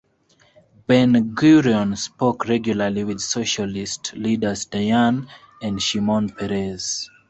Ben-Gurion spoke regularly with socialist leaders Dayan and Shimon Peres.